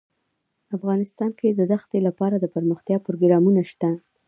افغانستان کې د دښتې لپاره دپرمختیا پروګرامونه شته.